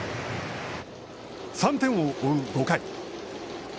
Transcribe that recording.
３点を追う５回。